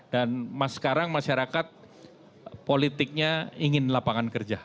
dan sekarang masyarakat politiknya ingin lapangan kerja